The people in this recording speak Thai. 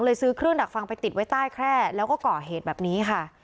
ซื้อเครื่องดักฟังไปติดไว้ใต้แคร่แล้วก็ก่อเหตุแบบนี้ค่ะ